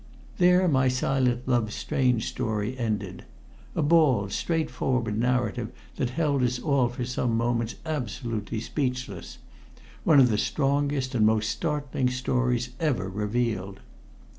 There my silent love's strange story ended. A bald, straightforward narrative that held us all for some moments absolutely speechless one of the strangest and most startling stories ever revealed.